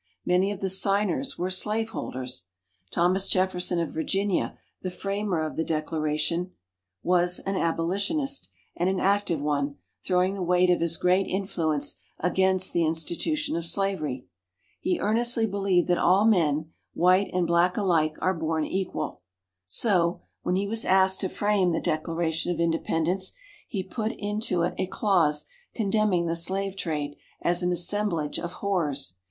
Many of the Signers were slave holders. Thomas Jefferson of Virginia, the Framer of the Declaration, was an Abolitionist, and an active one, throwing the weight of his great influence against the institution of slavery. He earnestly believed that all men white and black alike are born equal. So, when he was asked to frame the Declaration of Independence, he put into it a clause condemning the slave trade, as an "assemblage of horrors."